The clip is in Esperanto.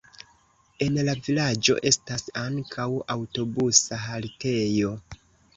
En la vilaĝo estas ankaŭ aŭtobusa haltejo.